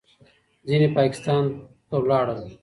ځینې پاکستان ته ولاړل.